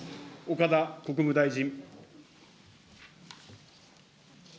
岡田国務大臣。